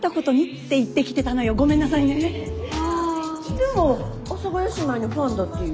でも阿佐ヶ谷姉妹のファンだっていう。